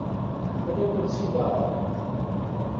Ad awen-tt-id-aɣeɣ.